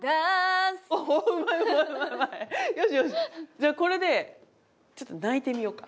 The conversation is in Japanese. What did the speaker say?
じゃあこれでちょっと泣いてみようか。